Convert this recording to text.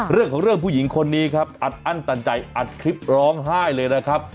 เรื่องของเรื่องผู้หญิงคนนี้ครับอัดอั้นตันใจอัดคลิปร้องไห้เลยนะครับ